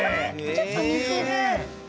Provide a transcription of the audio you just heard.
ちょっとにてる。